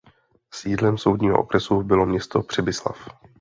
Sídlem soudního okresu bylo město Přibyslav.